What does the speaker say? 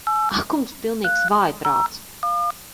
Ak kungs. Pilnīgs vājprāts.